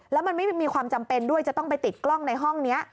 แล้วมันไม่มีความจำเป็นด้วยจะต้องไปติดกล้องในห้องนี้